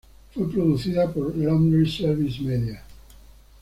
Fue producido por Laundry Service Media.